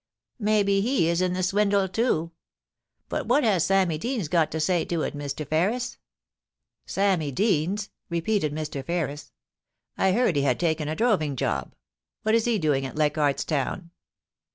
Maybe he is in the swindle too. But what has Sammy Deans got to say to it, Mr. Ferris ?* 278 POLICY AND PASSION. * Sammy Deans,' repeated Mr. Ferris, *I heard he had taken a droving job. What is he doing at Leichardt's Town?